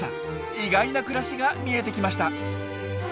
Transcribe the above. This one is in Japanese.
意外な暮らしが見えてきました！